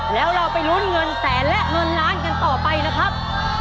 แล้วเราไปลุ้นเงินแสนและเงินล้านกันต่อไปนะครับ